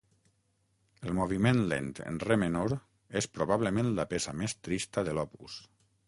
El moviment lent en re menor és probablement la peça més trista de l'opus.